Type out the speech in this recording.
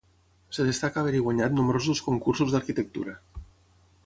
Es destaca haver-hi guanyat nombrosos concursos d'arquitectura.